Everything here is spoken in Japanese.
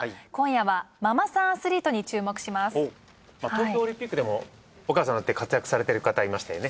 東京オリンピックでもお母さんになって活躍されてる方いましたよね。